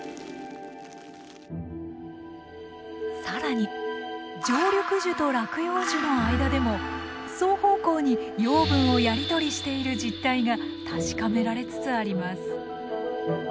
更に常緑樹と落葉樹の間でも双方向に養分をやり取りしている実態が確かめられつつあります。